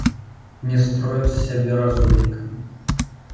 Не строю з сябе разумніка.